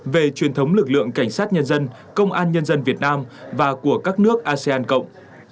về truyền thống lực lượng cảnh sát nhân dân công an nhân dân việt nam và của các nước asean cộng